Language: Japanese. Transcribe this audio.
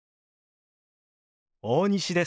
大西です。